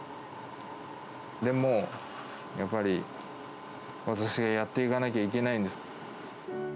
でもやっぱり、私がやっていかなきゃいけないんです。